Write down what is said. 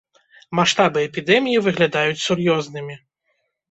Маштабы эпідэміі выглядаюць сур'ёзнымі.